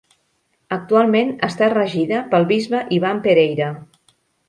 Actualment està regida pel bisbe Ivan Pereira.